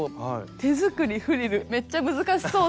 手作りフリルめっちゃ難しそう！